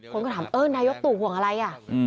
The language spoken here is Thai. คนก็ถามว่านายกตกหวังอะไรเนี่ย